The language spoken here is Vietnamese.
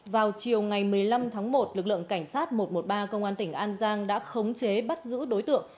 vào chiều ngày một mươi năm tháng một lực lượng cảnh sát một trăm một mươi ba công an tỉnh an giang đã khống chế bắt giữ đối tượng